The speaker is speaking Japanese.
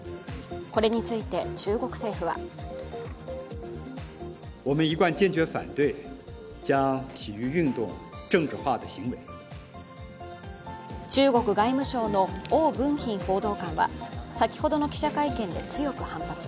これについて、中国政府は中国外務省の汪文斌報道官は先ほどの記者会見で強く反発。